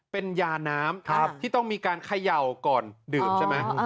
เป็นยาน้ำที่ต้องมีการเขย่าก่อนดื่มใช่ไหม